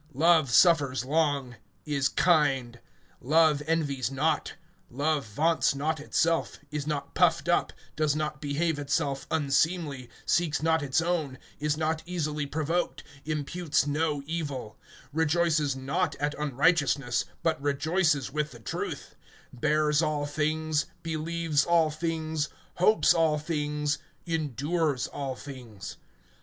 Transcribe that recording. (4)Love suffers long, is kind; love envies not; love vaunts not itself, is not puffed up, (5)does not behave itself unseemly, seeks not its own, is not easily provoked, imputes no evil; (6)rejoices not at unrighteousness, but rejoices with the truth; (7)bears all things, believes all things, hopes all things, endures all things.